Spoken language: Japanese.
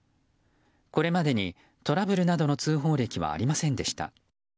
これまでにトラブルなどの通報歴はありませんでした。